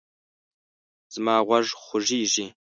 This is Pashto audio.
زما غوږ خوږیږي